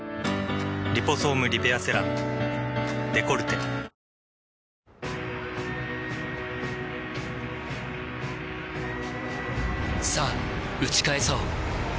「リポソームリペアセラムデコルテ」さぁ打ち返そう